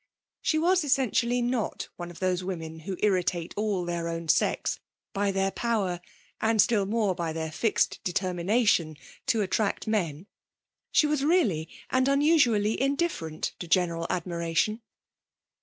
She was essentially not one of those women who irritate all their own sex by their power (and still more by their fixed determination) to attract men; she was really and unusually indifferent to general admiration.